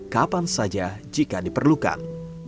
kapan saja jika diperlukan